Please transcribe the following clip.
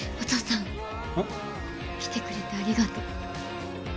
ん？来てくれてありがとう。